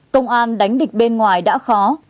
công an đánh địch bên ngoài đã khó